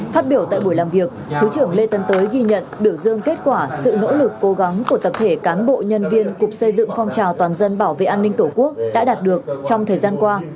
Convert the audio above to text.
phát biểu tại buổi làm việc thứ trưởng lê tân tới ghi nhận biểu dương kết quả sự nỗ lực cố gắng của tập thể cán bộ nhân viên cục xây dựng phong trào toàn dân bảo vệ an ninh tổ quốc đã đạt được trong thời gian qua